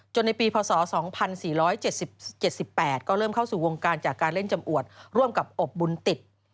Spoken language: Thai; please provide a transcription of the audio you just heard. ในปีพศ๒๔๗๗๘ก็เริ่มเข้าสู่วงการจากการเล่นจำอวดร่วมกับอบบุญติด